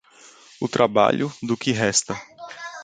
O trabalho, do que resta.